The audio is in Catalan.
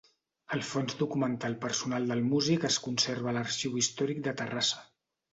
El fons documental personal del músic es conserva a l'Arxiu Històric de Terrassa.